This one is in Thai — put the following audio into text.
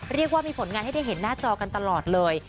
เรียกว่ามีผลงานให้ได้เห็นหน้าจอกันตลอดเลย